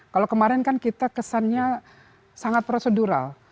kalau kemarin kan kita kesannya sangat prosedural